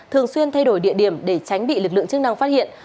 thường xuyên thay đổi địa điểm để tránh bị lực lượng chức năng phát hiện